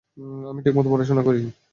আমি ঠিকমতো পড়াশোনা করি।